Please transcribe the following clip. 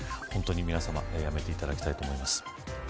本当に皆さまやめていただきたいと思います。